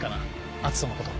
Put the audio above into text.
篤斗のこと。